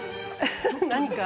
何か。